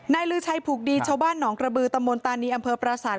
นายลื้อชัยผูกดีชาวบ้านหนองกระบือตะมนตานีอำเภอปราศาสตร์